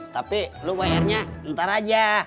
tapi lu bayarnya ntar aja